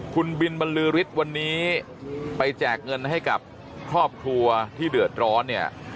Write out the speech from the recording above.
คุณบินบรรลือฤทธิ์วันนี้ไปแจกเงินให้กับครอบครัวที่เดือดร้อนเนี่ย